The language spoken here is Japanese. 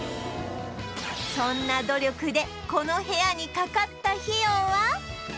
そんな努力でこの部屋にかかった費用は？